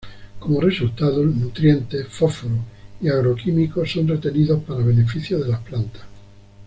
Como resultado, nutrientes, fósforos y agroquímicos son retenidos para beneficio de las plantas.